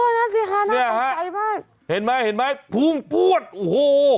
อ๋อนั่นสิค่ะนั่นต้องใจมากนี่ค่ะเห็นไหมเห็นไหมพุ่งปวดโอ้โห